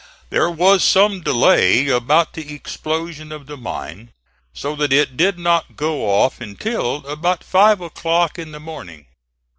There was some delay about the explosion of the mine so that it did not go off until about five o'clock in the morning.